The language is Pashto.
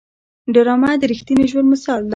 ډرامه د رښتیني ژوند مثال دی